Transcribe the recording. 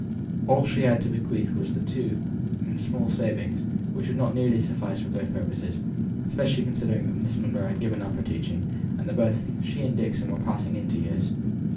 All she had to bequeath to the two was the small savings, which would not nearly suffice for both purposes, especially considering that Miss Monro had given up her teaching, and that both she and Dixon were passing into years.